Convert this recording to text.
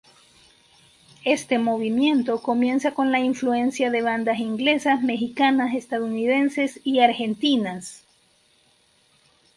Este movimiento comienza con la influencia de bandas inglesas, mexicanas, estadounidenses y argentinas.